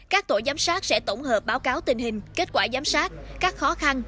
các tổ giám sát sẽ tổng hợp báo cáo tình hình kết quả giám sát các khó khăn